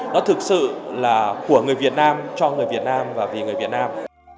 nó thực sự là của người việt nam cho người việt nam và vì người việt nam